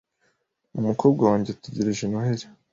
Umukobwa wanjye ategereje Noheri .